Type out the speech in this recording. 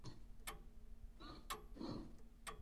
او نور غواړم چې د تېر کال مکمل پلان چیک کړم،